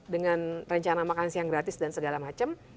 dengan rencana makan siang gratis dan segala macam